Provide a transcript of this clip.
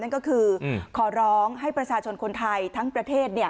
นั่นก็คือขอร้องให้ประชาชนคนไทยทั้งประเทศ